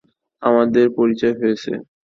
আমাদের পরিচয় হয়েছে।